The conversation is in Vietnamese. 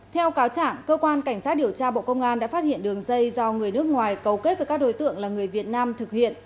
theo cáo trả cơ quan cảnh sát điều tra bộ công an đã phát hiện đường dây do người nước ngoài cầu kết với các đối tượng là người việt nam thực hiện